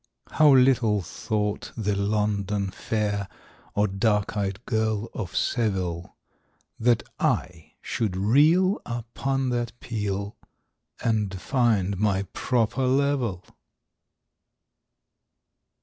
How little thought the London Fair, Or dark eyed Girl of Seville, That I should reel upon that peel, And find my proper level!